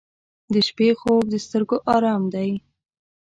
• د شپې خوب د سترګو آرام دی.